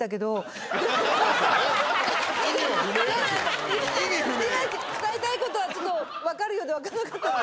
いまいち伝えたいことはちょっと分かるようで分かんなかったんです。